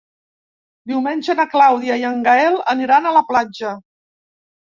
Diumenge na Clàudia i en Gaël aniran a la platja.